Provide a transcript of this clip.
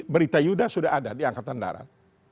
berita yuda sudah ada di angkatan darat